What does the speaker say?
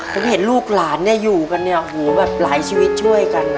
ผมเห็นลูกหลานเนี่ยอยู่กันเนี่ยหูแบบหลายชีวิตช่วยกัน